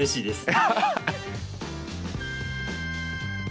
ハハハハ！